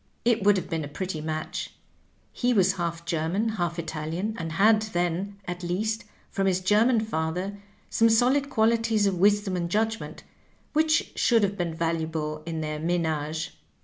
It would have been a pretty match ; he was half German, half Italian, and had then, at least, from his German father, some solid qualities of wisdom and judgment, which should have been valuable in their menage.